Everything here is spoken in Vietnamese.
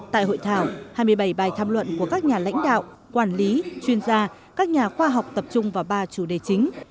tại hội thảo hai mươi bảy bài tham luận của các nhà lãnh đạo quản lý chuyên gia các nhà khoa học tập trung vào ba chủ đề chính